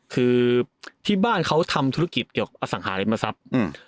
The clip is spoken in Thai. คือที่บ้านเขาทำธุรกิจเกี่ยวกับอสังหาริมทรัพย์